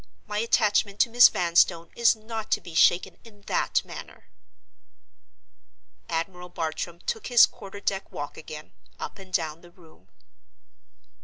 My attachment to Miss Vanstone is not to be shaken in that manner." Admiral Bartram took his quarter deck walk again, up and down the room.